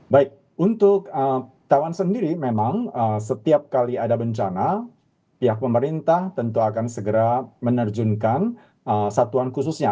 baik untuk tawan sendiri memang setiap kali ada bencana pihak pemerintah tentu akan segera menerjunkan satuan khususnya